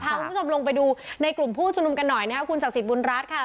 คุณผู้ชมลงไปดูในกลุ่มผู้ชุมนุมกันหน่อยนะครับคุณศักดิ์บุญรัฐค่ะ